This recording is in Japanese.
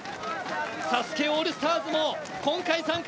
ＳＡＳＵＫＥオールスターズも今回参加。